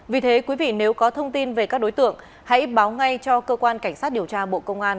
vì thế quý vị nếu có thông tin về các đối tượng hãy báo ngay cho cơ quan cảnh sát điều tra bộ công an